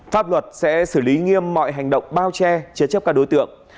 pháp luật sẽ xử lý nghiêm mọi hành động bao che chế chấp các đối tượng